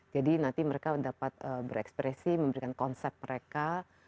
jadi nanti mereka dapat berekspresi memberikan konsep mereka